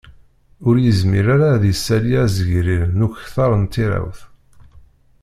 Ur yezmir ara ad d-isali azegrir n ukter n tirawt